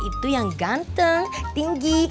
itu yang ganteng tinggi